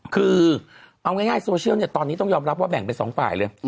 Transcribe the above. คือเอาง่ายโซเชียลเนี่ยตอนนี้ต้องยอมรับว่าแบ่งเป็นสองฝ่ายเลย